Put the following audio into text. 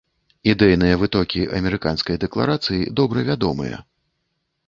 Ідэйныя вытокі амерыканскай дэкларацыі добра вядомыя.